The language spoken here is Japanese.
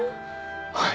はい。